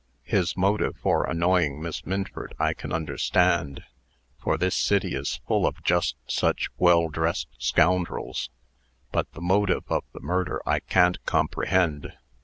His motive for annoying Miss Minford I can understand for this city is full of just such well dressed scoundrels; but the motive of the murder I can't comprehend.